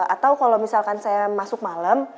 atau kalau misalkan saya masuk malam